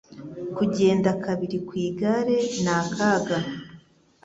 Kugenda kabiri ku igare ni akaga.